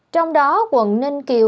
trong đó quận ninh kiều